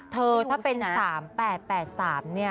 เธอถ้าเป็น๓๘๘๓เนี่ย